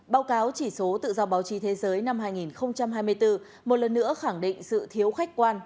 báo cáo chỉ số tự do báo chí thế giới năm hai nghìn hai mươi bốn một lần nữa khẳng định sự thiếu khách quan